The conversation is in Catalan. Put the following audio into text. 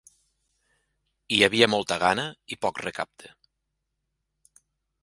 Hi havia molta gana i poc recapte.